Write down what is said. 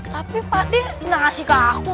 tapi pak d ngasih ke aku